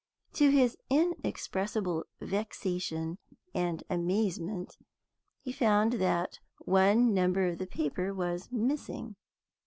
To his inexpressible vexation and amazement, he found that one number of the paper was missing.